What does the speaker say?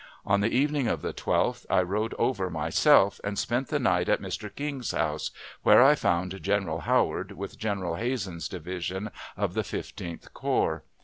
On the evening of the 12th I rode over myself, and spent the night at Mr. King's house, where I found General Howard, with General Hazen's division of the Fifteenth Corps.